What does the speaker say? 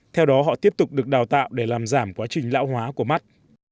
theo đó họ tiếp tục được đào tạo để làm giảm quá trình lão hóa của mắt